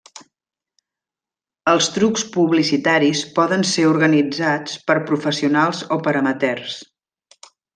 Els trucs publicitaris poden ser organitzats per professionals o per amateurs.